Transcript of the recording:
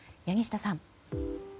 柳下さん。